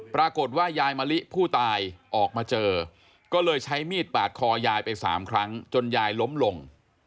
ปรากฏว่ายายมะลิผู้ตายออกมาเจอก็เลยใช้มีดปาดคอยายไป๓ครั้งจนยายล้มลง